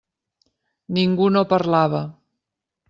Ningú no parlava.